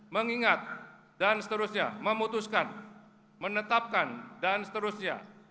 mengingat dan seterusnya memutuskan menetapkan dan seterusnya